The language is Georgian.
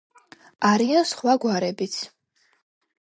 არიან სხვა გვარებიც.